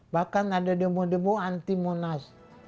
bahkan ada demo demo anti monas